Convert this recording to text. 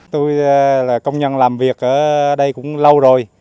tôi là công nhân làm việc ở đây cũng lâu rồi